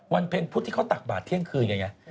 วันเพ็งพุธที่เขาตักบาตรเที่ยงคืนอย่างนี้